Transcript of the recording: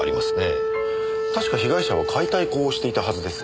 確か被害者は解体工をしていたはずです。